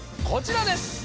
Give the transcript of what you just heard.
こちらです！